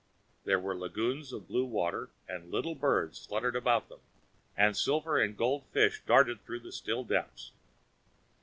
There were lagoons of blue water, and little birds fluttered above them, and silver and gold fish darted through the still depths.